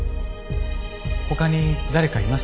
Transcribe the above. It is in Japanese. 他に誰かいますか？